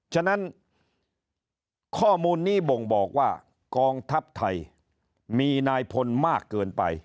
ฉะนั้นข้อมูลนี้บ่งบอกว่ากองทัพไทยมีนายพลมากเกินไป